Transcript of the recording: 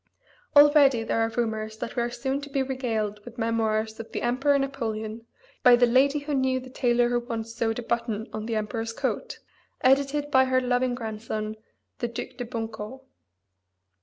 Already there are rumors that we are soon to be regaled with Memoirs of the Emperor Napoleon by the Lady who knew the Tailor who Once Sewed a Button on the Emperor's Coat, edited by her loving grandson, the Duc de Bunco.